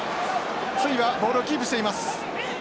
ツイはボールはキープしています。